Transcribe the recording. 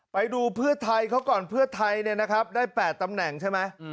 ไปดูเพื่อไทยเขาก่อนเพื่อไทยเนี่ยนะครับได้๘ตำแหน่งใช่ไหมอืม